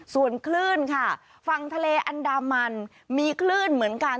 ส่วนคลื่นค่ะฝั่งทะเลอันดามันมีคลื่นเหมือนกัน